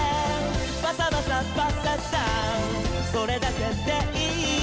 「バサバサッバッサッサーそれだけでいい」